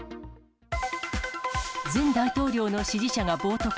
前大統領の支持者が暴徒化。